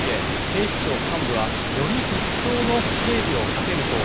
警視庁幹部はより一層の警備を心掛けると